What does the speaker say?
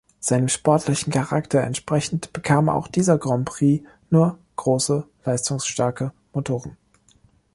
Seinem sportlichen Charakter entsprechend bekam auch dieser Grand Prix nur große leistungsstarke Motoren.